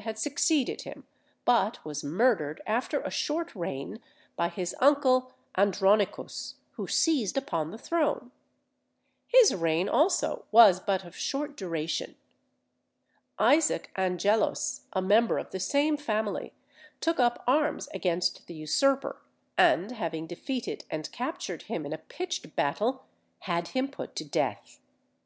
had succeeded him, but was murdered after a short reign by his uncle Andronicus, who seized upon the throne. His reign also was but of short duration. Isaac Angelus, a member of the same family, took up arms against the usurper, and having defeated and captured him in a pitched battle, had him put to death.